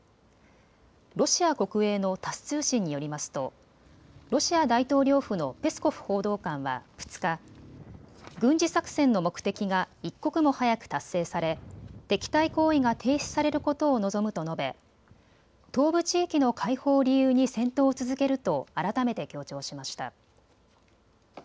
ロシア国営のタス通信によりますとロシア大統領府のペスコフ報道官は２日、軍事作戦の目的が一刻も早く達成され敵対行為が停止されることを望むと述べ東部地域の解放を理由に戦闘を続けると改めて強調しました。